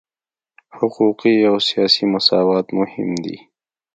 حقوقي او سیاسي مساوات مهم دي.